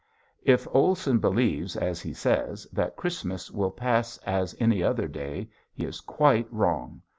If Olson believes, as he says, that Christmas will pass as any other day he is quite wrong.